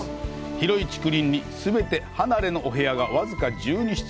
広い竹林に全て離れのお部屋が僅か１２室。